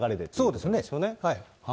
そうですね。